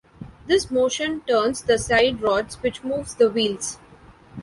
This motion turns the side rods which moves the wheels.